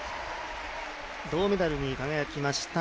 銅メダルに輝きました